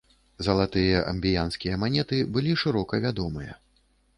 Залатыя амбіянскія манеты былі шырока вядомыя.